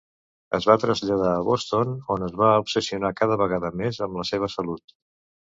Es va traslladar a Boston, on es va obsessionar cada vegada més amb la seva salut.